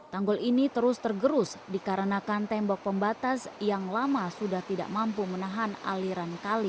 tanggul ini terus tergerus dikarenakan tembok pembatas yang lama sudah tidak mampu menahan aliran kali